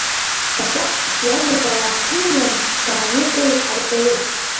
Басиаҭ, иажәа дааԥыҩланы дааникылеит Арҵаҩы.